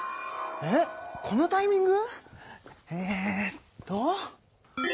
えっこのタイミング？